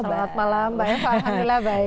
selamat malam mbak eva alhamdulillah baik